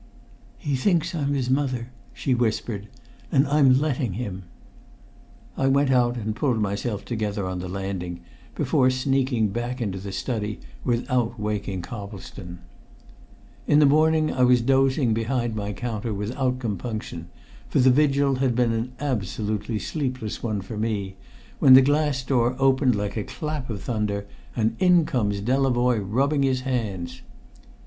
"He thinks I'm his mother," she whispered "and I'm letting him!" I went out and pulled myself together on the landing, before sneaking back into the study without waking Coplestone. In the morning I was dozing behind my counter without compunction, for the vigil had been an absolutely sleepless one for me, when the glass door opened like a clap of thunder, and in comes Delavoye rubbing his hands.